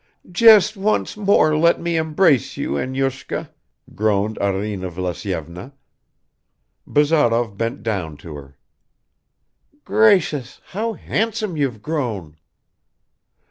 "Just once more let me embrace you, Enyushka," groaned Arina Vlasyevna. Bazarov bent down to her. "Gracious, how handsome you've grown!"